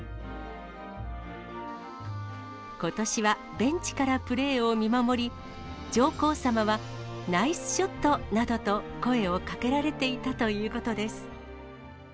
ことしはベンチからプレーを見守り、上皇さまはナイスショットなどと声をかけられていたということです。